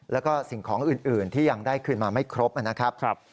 แล้วก็สิ่งของอื่นที่ยังได้คืนมาไม่ครบนะครับ